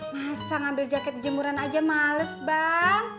masa ngambil jaket jemuran aja males bang